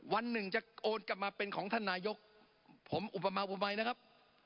วันหนึ่งจะโอนกลับมาเป็นของท่านนายกผมอุปมาอุบัยนะครับ